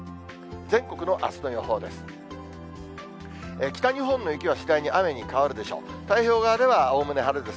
全国のあすの予報です。